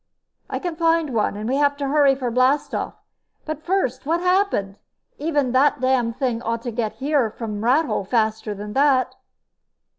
"I can find one. And we'll have to hurry for blastoff. But, first, what happened? Even that damned thing ought to get here from Rathole faster than that."